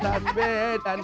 tak punya hari